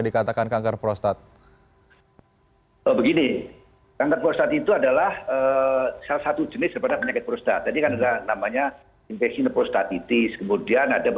dikatakan kanker prostat begini itu adalah salah satu jenis sebenarnya penyakit prostat kemudian ada